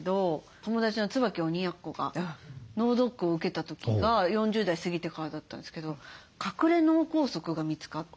友達の椿鬼奴が脳ドックを受けた時が４０代過ぎてからだったんですけど「隠れ脳梗塞」が見つかったりして。